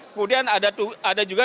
kemudian ada juga